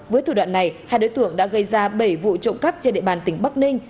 với thủ đoạn này hai đối tượng đã gây ra bảy vụ trộm cắp trên địa bàn tỉnh bắc ninh